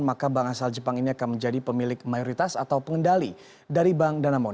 maka bank asal jepang ini akan menjadi pemilik mayoritas atau pengendali dari bank danamon